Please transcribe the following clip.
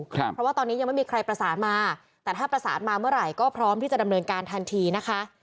เพราะว่าตอนนี้ยังไม่มีใครประสานมาแต่ถ้าประสานมาเมื่อไหร่ก็พร้อมที่จะดำเนินการทันทีนะคะ